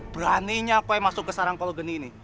beraninya kau masuk ke sarang kolo geni ini